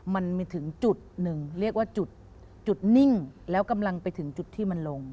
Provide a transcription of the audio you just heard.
มันมีถึงจุดหนึ่งเรียกว่าจุดนิ่งแล้วกำลังไปถึงจุดที่มันลง